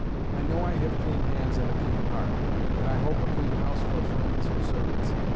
I know I have clean hands and a clean heart, and I hope a clean house for friends or servants.